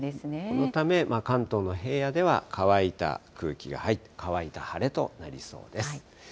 このため関東の平野では乾いた空気が入って、乾いた晴れとなりそうです。